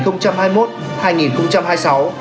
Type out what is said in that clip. nhiệm kỳ hai nghìn hai mươi một hai nghìn hai mươi sáu